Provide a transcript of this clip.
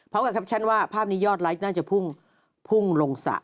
เพราะว่าภาพนี้ยอดไลค์น่าจะพุ่งลงสะ